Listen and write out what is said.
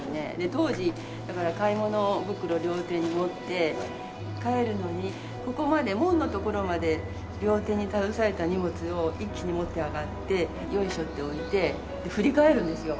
当時だから買い物袋両手に持って帰るのにここまで門の所まで両手に携えた荷物を一気に持って上がってよいしょって置いて振り返るんですよ。